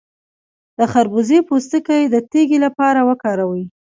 د خربوزې پوستکی د تیږې لپاره وکاروئ